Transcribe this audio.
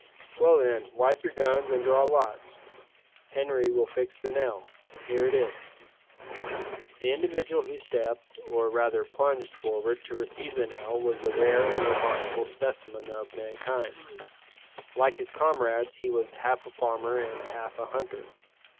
"Well, then, wipe your guns and draw lots. Henri will fix the nail. Here it is." The individual who stepped, or rather plunged forward to receive the nail was a rare and remarkable specimen of mankind. Like his comrades, he was half a farmer and half a hunter.